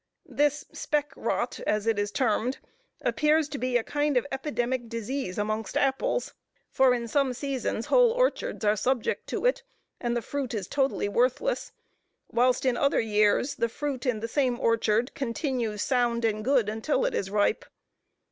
This "speck rot," as it is termed, appears to be a kind of epidemic disease amongst apples; for in some seasons whole orchards are subject to it, and the fruit is totally worthless, whilst in other years, the fruit in the same orchard continues sound and good, until it is ripe.